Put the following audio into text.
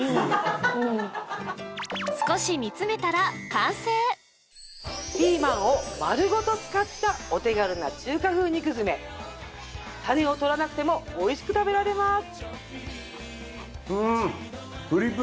少し煮詰めたら完成ピーマンを丸ごと使ったお手軽な中華風肉詰め種を取らなくてもおいしく食べられます